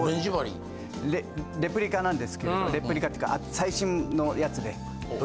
レプリカなんですけどレプリカっていうか最新のやつで。